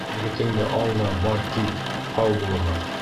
Егетеңде ал да бар кит. Һау булығыҙ!